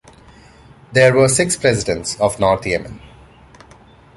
There were six presidents of North Yemen.